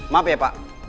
maaf ya pak